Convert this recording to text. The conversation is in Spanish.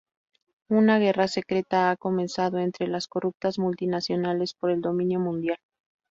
Una guerra secreta ha comenzado entre las corruptas multinacionales por el dominio mundial.